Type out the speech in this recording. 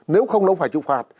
nếu không nó không phải trừng phạt